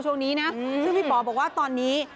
ซึ่งพี่ป่อบอกว่าตอนนี้